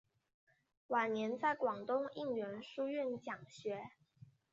晚年在广东应元书院讲学。